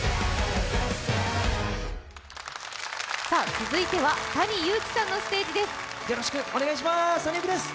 続いてはＴａｎｉＹｕｕｋｉさんのステージです。